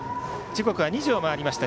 時刻は２時を回りました。